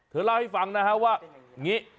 เธอเล่าให้ฟังนะครับว่า